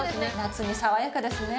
夏に爽やかですね。